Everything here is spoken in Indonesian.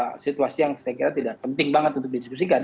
ada situasi yang saya kira tidak penting banget untuk didiskusikan